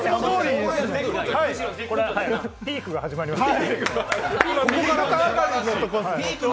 ピークが始まりました。